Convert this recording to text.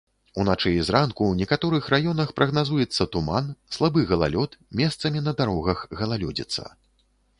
Уначы і зранку ў некаторых раёнах прагназуецца туман, слабы галалёд, месцамі на дарогах галалёдзіца.